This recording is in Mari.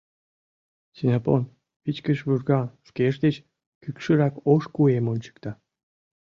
— Синопон вичкыж вурган, шкеж деч кӱкшырак ош куэм ончыкта.